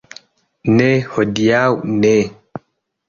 Ne, hodiaŭ ne